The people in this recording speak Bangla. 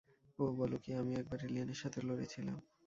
ওহ, বলো কী, আমিও একবার এলিয়েনের সাথে লড়েছিলাম।